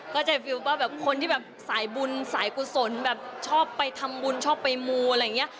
ก็จะฟิลว่าแบบคนที่แบบสายบุญสายกุศลแบบชอบไปทำบุญชอบไปมูอะไรอย่างนี้